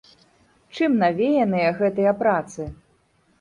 Чым навеяныя гэтыя працы?